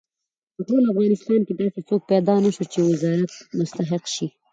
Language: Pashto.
په ټول افغانستان کې داسې څوک پیدا نه شو چې د وزارت مستحق شي.